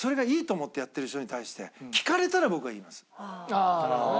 ああなるほどね。